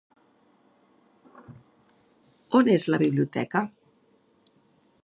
On és la biblioteca?